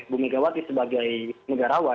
bu megawati sebagai negarawan